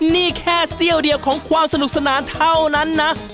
นี่แค่เสี้ยวเดียวของความสนุกสนานเท่านั้นนะ